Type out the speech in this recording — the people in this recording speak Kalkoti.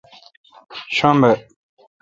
شنب